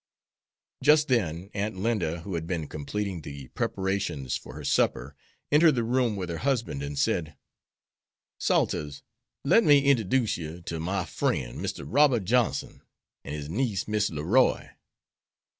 Just then Aunt Linda, who had been completing the preparations for her supper, entered the room with her husband, and said, "Salters, let me interdoos you ter my fren', Mr. Robert Johnson, an' his niece, Miss Leroy."